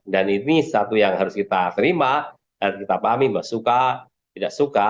dan ini satu yang harus kita terima dan kita pahami bahwa suka tidak suka